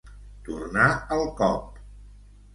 Tornar el cop.